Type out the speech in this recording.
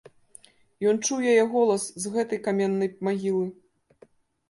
Ён чуў яе голас з гэтай каменнай магілы.